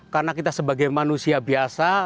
karena kita sebagai manusia biasa